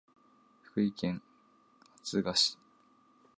福井県敦賀市